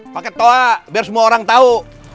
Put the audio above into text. paket toa biar semua orang tau